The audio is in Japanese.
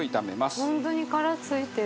奈緒：本当に殻付いてる。